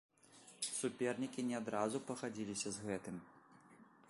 Супернікі не адразу пагадзіліся з гэтым.